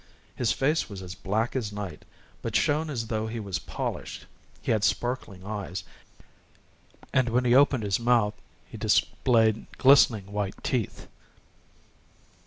His face was as black as night, but shone as though it were polished; he had sparkling eyes, and when he opened his mouth, he displayed glistening white teeth.